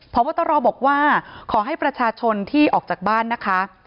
พบตรบอกว่าขอให้ประชาชนที่ออกจากบ้านนะคะ